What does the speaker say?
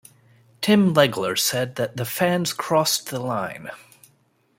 Tim Legler said that "the fans crossed the line".